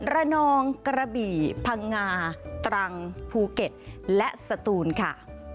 ระนองกระบี่พังงาตรังภูเก็ตและสตูนค่ะ